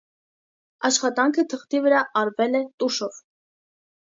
Աշխատանքը թղթի վրա արվել է տուշով։